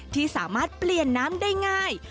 ที่สามารถเปลี่ยนน้ำได้ง่าย